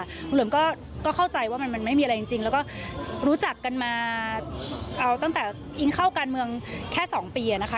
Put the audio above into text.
คุณเหลิมก็เข้าใจว่ามันไม่มีอะไรจริงแล้วก็รู้จักกันมาเอาตั้งแต่อิงเข้าการเมืองแค่๒ปีนะคะ